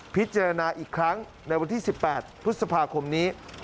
พิจารณาอีกครั้งในวันที่๑๘พฤษภาคมนี้